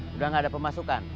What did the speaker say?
sudah enggak ada pemasukan